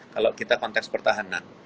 kalau kita konteks pertahanan